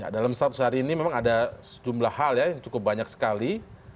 dalam status hari ini memang ada sejumlah hal ya cukup banyak sekali